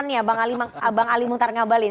disini ada penyaluran ya bang ali mungtar ngabalin